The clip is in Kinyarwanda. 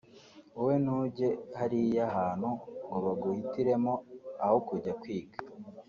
wowe ntujye hariya hantu ngo baguhitiremo aho ujya kwiga